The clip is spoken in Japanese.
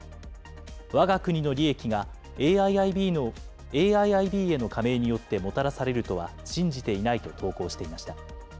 わが国の利益がＡＩＩＢへの加盟によってもたらされるとは信じていないと投稿していました。